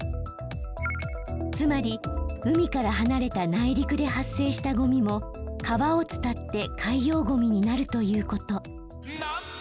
つまり海から離れた内陸で発生したゴミも川を伝って海洋ゴミになるということ。